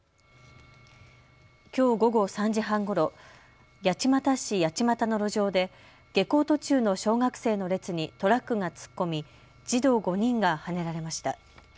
きょう午後３時半ごろ、八街市八街の路上で下校途中の小学生の列にトラックが突っ込み、児童５人がはねられました。